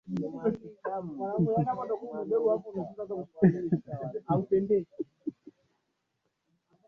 Bahari ya Atlantiki hadi Pasifiki ikigawanywa kwa